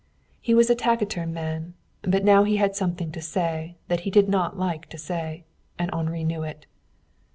He was a taciturn man, but now he had something to say that he did not like to say. And Henri knew it.